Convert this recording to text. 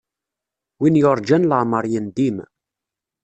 Win yurǧan leεmeṛ yendim.